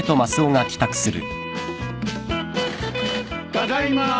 ただいま。